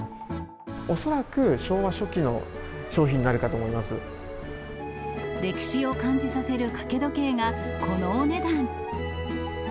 恐らく昭和初期の商品になる歴史を感じさせる掛け時計が、このお値段。